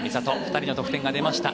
２人の得点が出ました